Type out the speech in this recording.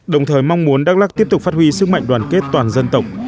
đồng thời mong muốn đắk lắc tiếp tục phát huy sức mạnh đoàn kết toàn dân tộc